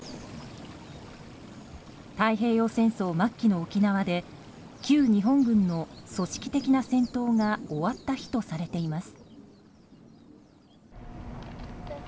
太平洋戦争末期の沖縄で旧日本軍の組織的な戦闘が終わった日とされています。